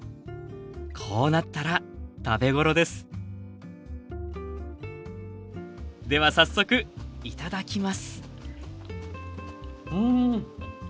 こうなったら食べ頃ですでは早速頂きますうん。